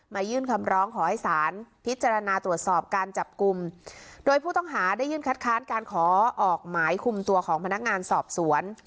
ยื่นคำร้องขอให้ศาลพิจารณาตรวจสอบการจับกลุ่มโดยผู้ต้องหาได้ยื่นคัดค้านการขอออกหมายคุมตัวของพนักงานสอบสวน